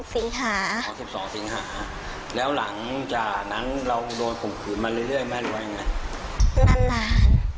สิงหาอ๋อ๑๒สิงหาแล้วหลังจากนั้นเราโดนข่มขืนมาเรื่อยแม่หรือว่ายังไงนาน